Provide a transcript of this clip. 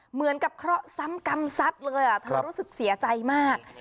เหมือนกับเคราะห์ซ้ำกรรมซัดเลยเธอรู้สึกเสียใจมาก